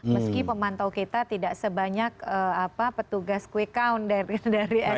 meski pemantau kita tidak sebanyak petugas quick count dari rsc